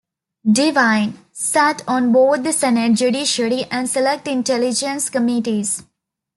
DeWine sat on both the Senate Judiciary and Select Intelligence committees.